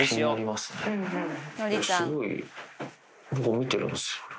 すごい僕を見てるんですよ。